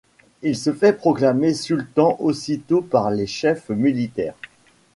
Il se fait proclamer sultan aussitôt par les chefs militaires.